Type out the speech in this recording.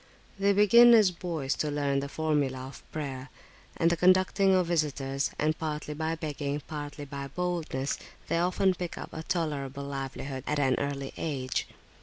They begin as boys to learn the formula of prayer, and the conducting of visitors; and partly by begging, partly by boldness, they often pick up a tolerable livelihood at an early age.